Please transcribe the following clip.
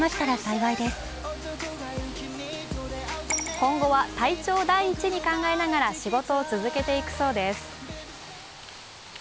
今後は、体調を第一に考えながら仕事を続けていくそうです。